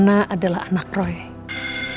udah ga keres